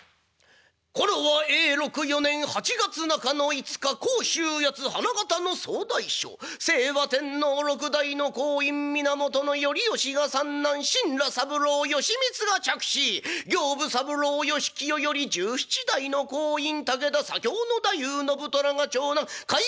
頃は永禄４年８月中のいつか甲州八花形の総大将清和天皇六代の後胤源頼義が三男新羅三郎義光が嫡子刑部三郎義清より十七代の後胤武田左京大夫信虎が長男甲斐